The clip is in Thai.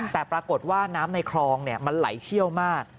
แต่ปรากฏว่าน้ำในคลองมันไหลเชี่ยวมาก